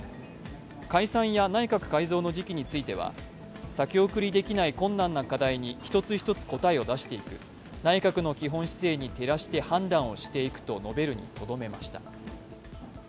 解散や内閣改造の時期については、先送りできない困難な課題に一つ一つ答えを出していく、内閣の基本姿勢に照らして判断をしていくと述べるにとどめました。